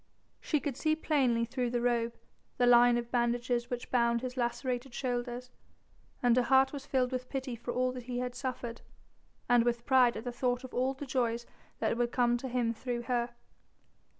She could see plainly through the robe the line of bandages which bound his lacerated shoulders, and her heart was filled with pity for all that he had suffered, and with pride at thought of all the joys that would come to him through her.